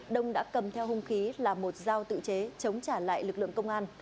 đông đã cầm theo hung khí là một dao tự chế chống trả lại lực lượng công an